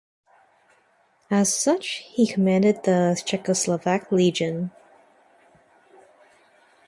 As such, he commanded the Czechoslovak Legion.